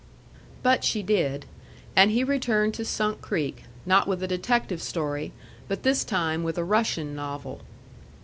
But she did. And he returned to Sunk Creek, not with a detective story, but this time with a Russian novel.